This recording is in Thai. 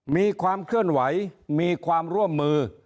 มีความเคลื่อนไหวมีความร่วมมือ